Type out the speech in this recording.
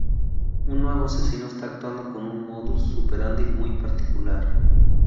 Un nuevo asesino está actuando con un modus operandi muy particular.